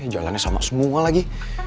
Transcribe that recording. jalannya sama semua lagi